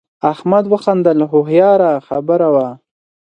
احمد وخندل هوښیاره خبره وه.